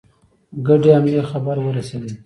ګډې حملې خبر ورسېدی.